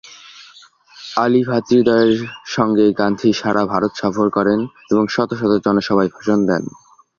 আলী ভ্রাতৃদ্বয়ের সঙ্গে গান্ধী সারা ভারত সফর করেন এবং শত শত জনসভায় ভাষণ দেন।